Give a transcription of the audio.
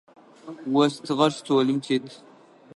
Остыгъэр столым тет.